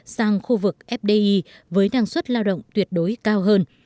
sang khu vực fdi với năng suất lao động tuyệt đối cao hơn